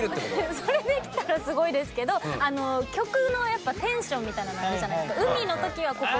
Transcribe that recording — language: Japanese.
それできたらすごいですけど曲のやっぱテンションみたいなのあるじゃないですか。